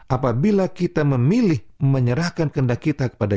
apabila kita memilih menyerahkan kendak kita kepada